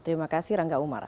terima kasih rangga umara